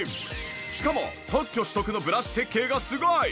しかも特許取得のブラシ設計がすごい！